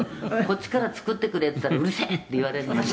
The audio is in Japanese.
「こっちから“作ってくれ”って言ったら“うるせえ”って言われるのが」